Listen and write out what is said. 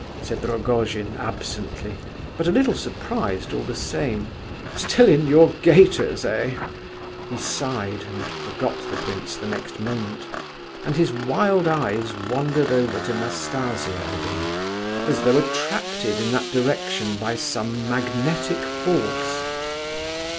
said Rogojin, absently, but a little surprised all the same "Still in your gaiters, eh?" He sighed, and forgot the prince next moment, and his wild eyes wandered over to Nastasia again, as though attracted in that direction by some magnetic force.